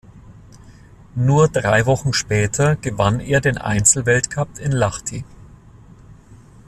Nur drei Wochen später gewann er den Einzel-Weltcup in Lahti.